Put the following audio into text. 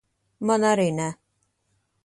Man arī ne.